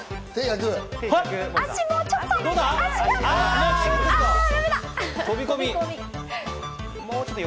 足、もうちょっと！